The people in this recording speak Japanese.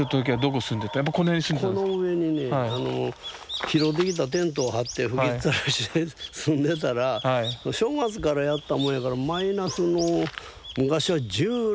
この上にね拾ってきたテントを張って吹きっさらしで住んでたら正月からやったもんやからマイナスの昔は１６度って。